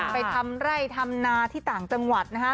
ไปทำไร่ทำนาที่ต่างจังหวัดนะฮะ